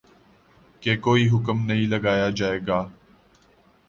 کہ کوئی حکم نہیں لگایا جائے گا